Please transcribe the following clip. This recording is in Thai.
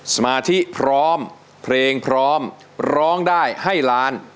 สมาธิพร้อมเพลงพร้อมร้องได้ให้ล้าน